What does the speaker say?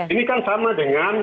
ini kan sama dengan